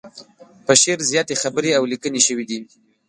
په شعر زياتې خبرې او ليکنې شوي دي.